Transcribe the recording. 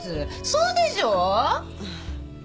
そうでしょ？